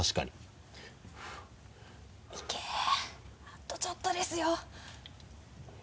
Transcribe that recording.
あとちょっとですよ。